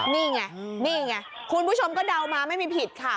นี่ไงนี่ไงคุณผู้ชมก็เดามาไม่มีผิดค่ะ